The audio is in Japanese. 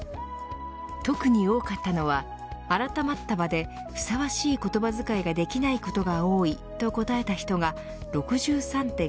特に多かったのが改まった場でふさわしい言葉使いができないことが多いと答えた人が６３．５％。